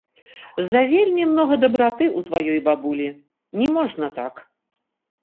Завельмі многа дабраты ў тваёй бабулі, не можна так.